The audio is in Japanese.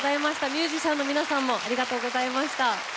ミュージシャンの皆さんもありがとうございました。